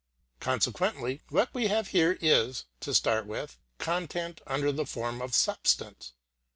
Consequently, what we have here is, to start with, content under the form of substance.